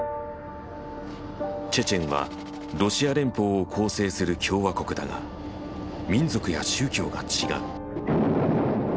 チェチェンはロシア連邦を構成する共和国だが民族や宗教が違う。